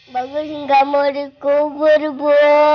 bagus gak mau dikubur bu